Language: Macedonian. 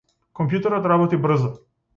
Компјутерот работи брзо.